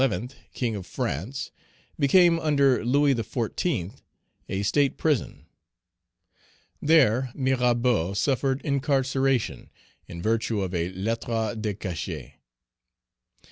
king of France, became under Louis XIV. a state prison. There Mirabeau suffered incarceration, in virtue of a lettre de cachet.